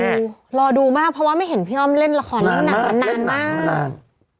รอดูรอดูมากเพราะว่าไม่เห็นพี่อ้อมเล่นละครนานมากนานมากนานมาก